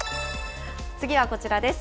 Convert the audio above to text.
次はこちらです。